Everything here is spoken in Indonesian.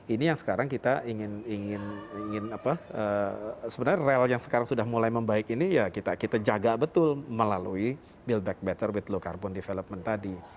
ini yang sekarang kita ingin sebenarnya rel yang sekarang sudah mulai membaik ini ya kita jaga betul melalui build back better with low carbon development tadi